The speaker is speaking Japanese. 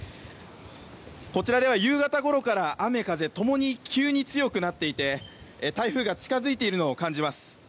こちらでは夕方ごろから雨風共に急に強くなっていて台風が近づいているのを感じます。